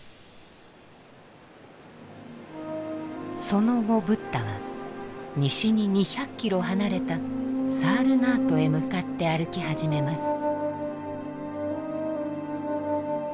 その後ブッダは西に２００キロ離れたサールナートへ向かって歩き始めます。